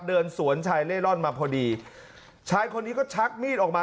เดินสวนชายเล่ร่อนมาพอดีชายคนนี้ก็ชักมีดออกมา